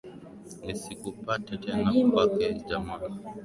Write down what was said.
Nisikupate tena kwake Jamal